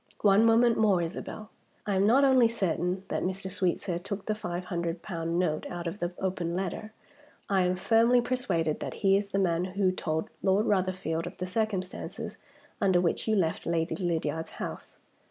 One moment more, Isabel. I am not only certain that Mr. Sweetsir took the five hundred pound note out of the open letter, I am firmly persuaded that he is the man who told Lord Rotherfield of the circumstances under which you left Lady Lydiard's house.